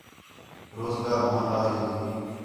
روزگار بھن٘ؤندا ہِے